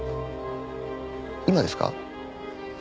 今ですか？